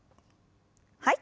はい。